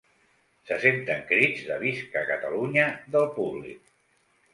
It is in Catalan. Se senten crits de ‘Visca Catalunya’ del públic.